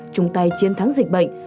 chung tay chiến thắng dịch bệnh